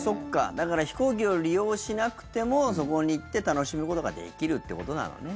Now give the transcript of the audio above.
だから飛行機を利用しなくてもそこに行って楽しむことができるってことなのね。